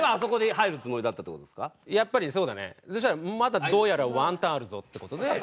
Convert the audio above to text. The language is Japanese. そしたらまだどうやらワンターンあるぞって事で。